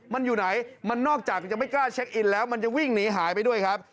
มันอยู่ไหนมันนอกจากจะไม่กล้าเช็คอินแล้วมันจะวิ่งหนีหายไปด้วยครับ